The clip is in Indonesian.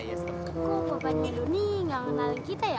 kok papa dulu nih nggak kenalin kita ya